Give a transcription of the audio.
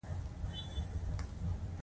د افغانستان په منظره کې ځنګلونه ښکاره ده.